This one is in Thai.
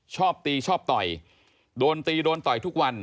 ชอบตีชอบต่อยโดนตีโดนต่อยทุกวัน